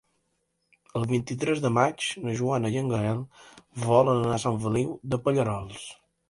El vint-i-tres de maig na Joana i en Gaël volen anar a Sant Feliu de Pallerols.